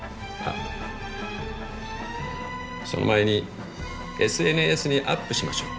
その前にＳＮＳにアップしましょう。